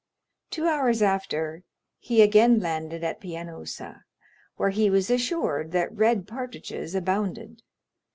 Two hours after he again landed at Pianosa, where he was assured that red partridges abounded.